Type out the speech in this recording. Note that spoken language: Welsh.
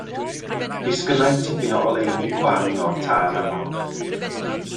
Disgynnai tipyn o oleuni gwan o'r tân ar lawr.